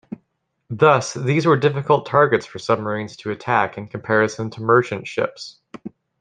Thus, these were difficult targets for submarines to attack in comparison to merchant ships.